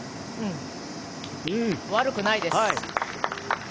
悪くないです。